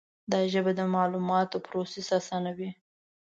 دا ژبه د معلوماتو پروسس آسانوي.